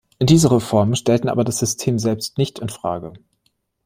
Diese Reformen stellten aber das System selbst nicht in Frage.